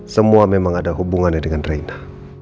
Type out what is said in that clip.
semua memang ada hubungannya dengan reina